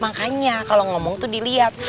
makanya kalau ngomong itu dilihat